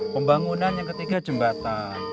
pembangunan yang ketiga jembatan